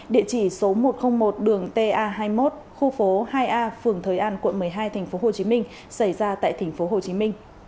địa chỉ số một trăm linh một đường ta hai mươi một khu phố hai a phường thới an quận một mươi hai tp hcm xảy ra tại tp hcm